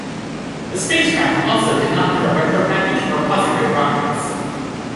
The spacecraft also did not have a retro package or posigrade rockets.